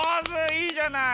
いいじゃない。